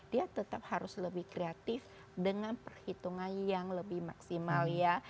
dia tetap harus lebih kreatif dengan perhitungan yang lebih maksimal ya